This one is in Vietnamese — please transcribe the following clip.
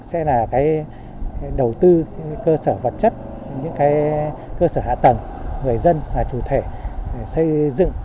sẽ là đầu tư cơ sở vật chất những cơ sở hạ tầng người dân là chủ thể xây dựng